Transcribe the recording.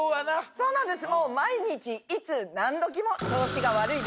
そうなんです。